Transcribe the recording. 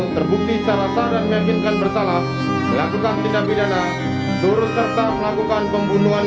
terhadap pedagang rizal darius sabudin dengan giliran dan giliran selama seratus tahun dan